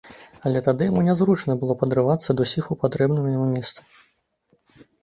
Але тады яму нязручна было б адрывацца ад усіх у патрэбным яму месцы.